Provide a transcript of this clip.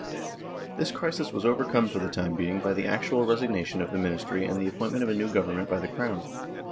This crisis was overcome for the time being by the actual resignation of the Ministry and the appointment of a new Government by the Crown.